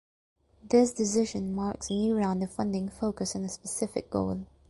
This decision marks a new round of funding focused on a specific goal.